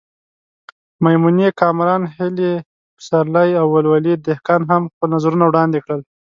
میمونې کامران، هیلې پسرلی او ولولې دهقان هم خپل نظرونه وړاندې کړل.